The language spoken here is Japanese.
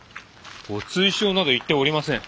ご追従など言っておりません。